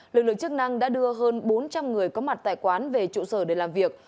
lực lượng chức năng đã đưa hơn bốn trăm linh người có mặt tại quán về trụ sở để làm việc